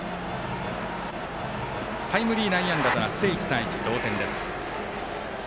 タイムリー内野安打となって１対１同点です。